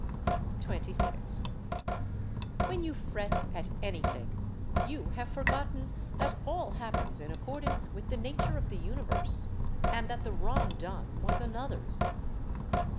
26. When you fret at anything, you have forgotten that all happens in accordance with the nature of the Universe, and that the wrong done was another's.